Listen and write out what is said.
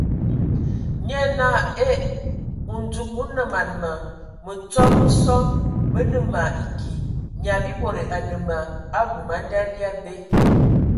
Nye naa : Ee ! Ndzug o nǝman ma! Mǝtsɔ mə sɔ mə nǝ ma eki, Nyiabibode a nǝ ma abum a nda ali abe !